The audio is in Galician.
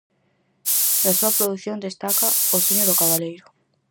Da súa produción destaca "O soño do cabaleiro".